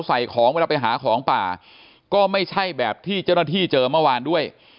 ใส่ของเวลาไปหาของป่าก็ไม่ใช่แบบที่เจ้าหน้าที่เจอเมื่อวานด้วย